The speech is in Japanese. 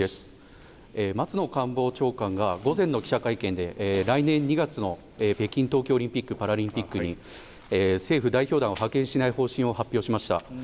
松野官房長官が午前の記者会見で、来年２月の北京冬季オリンピック・パラリンピックに、政府代表団を派遣しない方針を発表しました。